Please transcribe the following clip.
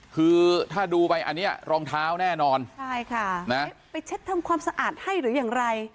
คือถ้าดูไปอันนี้รองเท้าแน่นอนใช่ค่ะนะไปเช็ดทำความสะอาดให้หรืออย่างไร